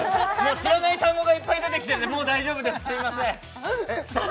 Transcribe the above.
知らない単語がいっぱい出てきてるのでもう大丈夫ですすみませんさあ